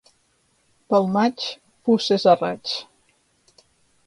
Pel maig, puces a raig.